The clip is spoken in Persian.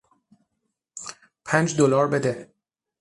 پنج دلار بده.